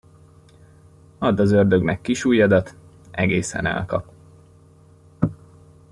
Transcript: Add az ördögnek kisujjadat, egészen elkap.